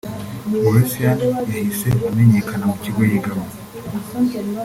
Graceann yahise amenyekana mu kigo yigamo